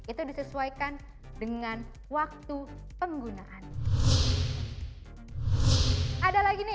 itu disesuaikan dengan waktu penggunaan